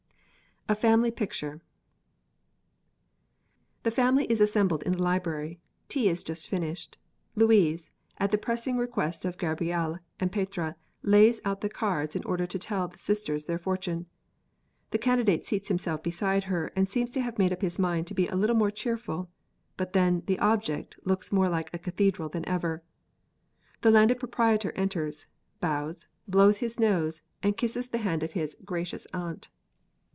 A FAMILY PICTURE From 'The Home' The family is assembled in the library; tea is just finished. Louise, at the pressing request of Gabrielle and Petrea, lays out the cards in order to tell the sisters their fortune. The Candidate seats himself beside her, and seems to have made up his mind to be a little more cheerful. But then "the object" looks more like a cathedral than ever. The Landed Proprietor enters, bows, blows his nose, and kisses the hand of his "gracious aunt."